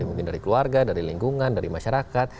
mungkin dari keluarga dari lingkungan dari masyarakat